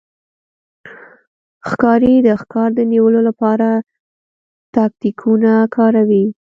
ښکاري د ښکار د نیولو لپاره تاکتیکونه کاروي.